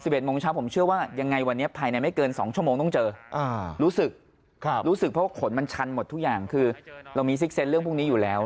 รู้สึกเพราะว่าขนมันชันหมดทุกอย่างคือเรามีซิกเซ็นต์เรื่องพวกนี้อยู่แล้ว